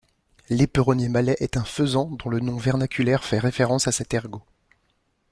L'éperonnier malais est un faisan dont le nom vernaculaire fait référence à cet ergot.